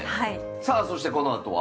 さあそしてこのあとは？